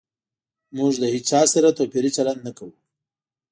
موږ له هيچا سره توپيري چلند نه کوو